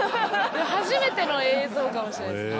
初めての映像かもしれないですね。